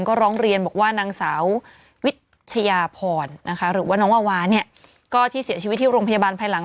ก็ร้องเรียนบอกว่านางสาววิชยาพรนะคะหรือว่าน้องวาวาเนี่ยก็ที่เสียชีวิตที่โรงพยาบาลภายหลัง